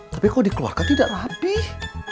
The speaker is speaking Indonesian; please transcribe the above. tapi kalau dikeluarkan tidak rapih